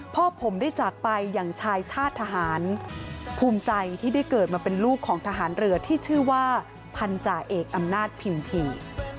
พ่อผมได้จากไปอย่างชายชาติทหารภูมิใจที่ได้เกิดมาเป็นลูกของทหารเรือที่ชื่อว่าพันธาเอกอำนาจพิมพี